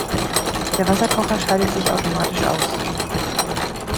Der Wasserkocher schaltet sich automatisch aus.